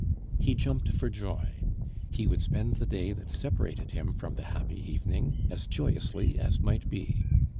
He jumped for joy. He would spend the day that separated him from the happy evening as joyously as might be.